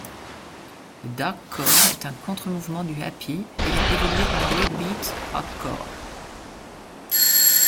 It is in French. Le darkcore est un contre-mouvement du happy, ayant évolué en breakbeat hardcore.